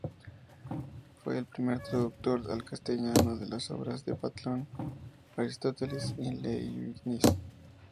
Fue el primer traductor al castellano de las obras de Platón, Aristóteles y Leibniz.